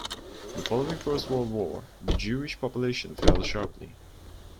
Following the First World War, the Jewish population fell sharply.